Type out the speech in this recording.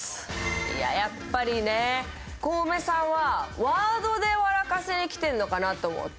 いややっぱりねコウメさんはワードで笑かしにきてんのかなと思って。